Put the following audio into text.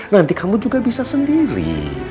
nanti kamu juga bisa sendiri